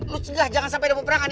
lo cedah jangan sampai ada peperangan